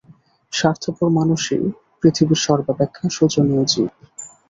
স্বার্থপর মানুষই পৃথিবীর সর্বাপেক্ষা শোচনীয় জীব।